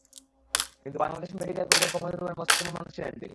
কিন্তু বাংলাদেশ মেডিকেল কলেজের কমন রুমের মোস্ট কমন মানুষ ছিলেন তিনি।